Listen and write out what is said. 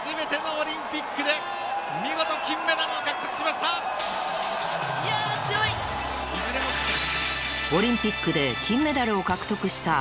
オリンピックで金メダルを獲得した姉土性沙羅。